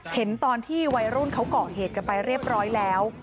เห็นตอนที่วัยรุ่นเขาเกาะเหตุกันไปเรียบร้อยแล้ว